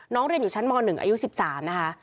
เรียนอยู่ชั้นม๑อายุ๑๓นะคะ